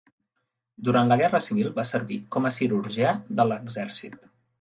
Durant la Guerra Civil va servir com a cirurgià de l'exèrcit.